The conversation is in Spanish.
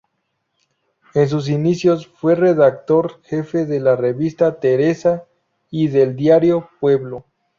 En sus inicios, fue redactor jefe de la revista "Teresa" y del diario "Pueblo".